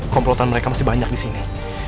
komplotan mereka masih banyak disini